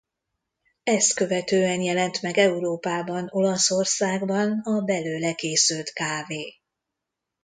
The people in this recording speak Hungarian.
Ezt követően jelent meg Európában Olaszországban a belőle készült kávé.